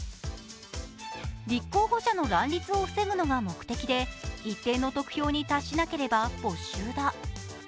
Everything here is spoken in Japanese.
立候補者の乱立を防ぐのが目的で一定の得票に達しなければ没収だ。